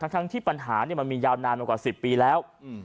ทั้งที่ปัญหามันมียาวนานมากว่า๑๐ปีแล้ว